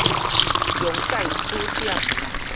終界使者